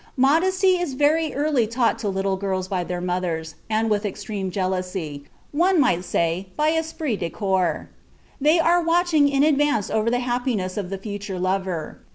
Modesty is very early taught to little girls by their mothers, and with extreme jealousy, one might say, by esprit de corps. They are watching in advance over the happiness of the future lover.